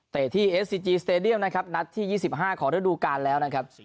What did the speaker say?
เตะที่เอสซีจีสเตเดียมนะครับนัดที่ยี่สิบห้าขอด้วยดูการแล้วนะครับ